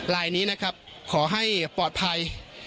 ลายนี้นะครับขอให้ปลอดภัย